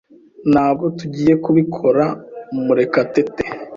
Ntabwo tugiye kubikora, Murekatete.